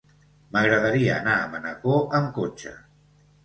M'agradaria anar a Manacor amb cotxe.